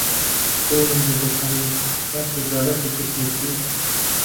بۆ نموونە دەتوانیت کاتێک بابەتێکت نووسی